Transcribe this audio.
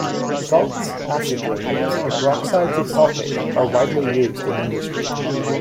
Salts, acid derivatives, and peroxides of sulfate are widely used in industry.